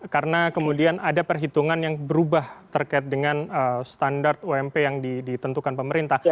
karena kemudian ada perhitungan yang berubah terkait dengan standar ump yang ditentukan pemerintah